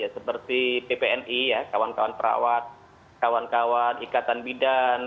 seperti ppni kawan kawan peaawat kawan kawan ikatan bidan